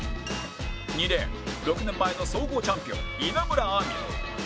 ２レーン６年前の総合チャンピオン稲村亜美